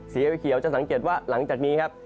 สีเขียวจะสังเกตว่าหลังจากนี้ครับ